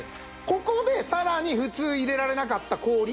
ここでさらに普通入れられなかった氷